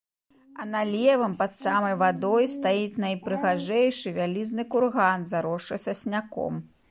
А на левым, пад самай вадой стаіць найпрыгажэйшы вялізны курган, заросшы сасняком.